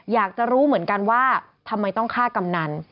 อยากจะรู้เหมือนกันว่าทำไมต้องฆ่ากำนัน